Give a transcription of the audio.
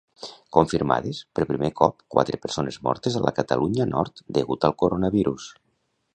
Confirmades, per primer cop, quatre persones mortes a la Catalunya Nord degut al coronavirus.